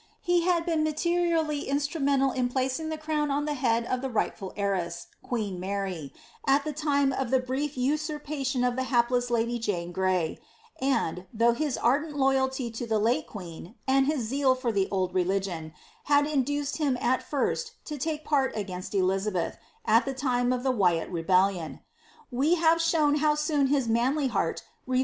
He had been materially inslnimenUil in placing the crown on the head of the rightful heiress, queen Mary, at the time of the brief usurpation of the hapless lady Jane Gray ; and, though his ardent loyalty to the late queen, and his zeal for the old religion, had induced him at first to take part against Elizabeth, at the time of die Wyat rebellion ; we have shown how soon his manly 'State Paper MSS^ letter of ThrockmonoQ U> ^Vixubcxh.